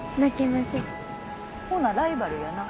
ほなライバルやな。